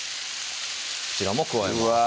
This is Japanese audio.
こちらも加えます